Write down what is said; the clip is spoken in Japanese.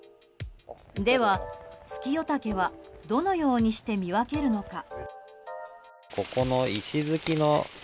では、ツキヨタケはどのようにして見分けるのか。